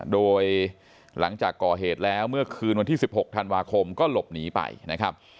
โดยหลังจากก่อเหตุแล้วเมื่อคืนวันที่๑๖ธันวาคมก็หลบหนีไปนะครับ